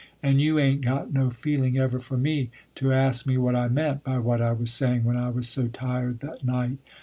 And you ain't got no feeling ever for me, to ask me what I meant, by what I was saying when I was so tired, that night.